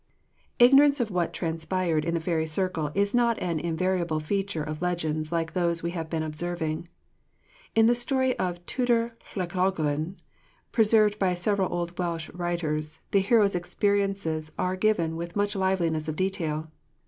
Ignorance of what transpired in the fairy circle is not an invariable feature of legends like those we have been observing. In the story of Tudur of Llangollen, preserved by several old Welsh writers, the hero's experiences are given with much liveliness of detail.